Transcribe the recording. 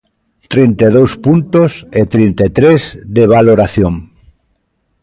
Trinta e dous puntos e trinta e tres de valoración.